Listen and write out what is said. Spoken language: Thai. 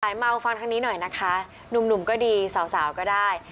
เมาฟังทางนี้หน่อยนะคะหนุ่มก็ดีสาวก็ได้